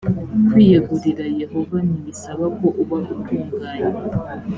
kwiyegurira yehova ntibisaba ko uba utunganye